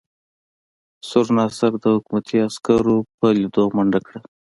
سور ناصر د حکومتي عسکرو په لیدو منډه کړه.